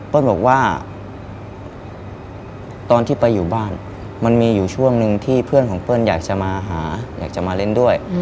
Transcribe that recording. บอกว่าตอนที่ไปอยู่บ้านมันมีอยู่ช่วงหนึ่งที่เพื่อนของเปิ้ลอยากจะมาหาอยากจะมาเล่นด้วย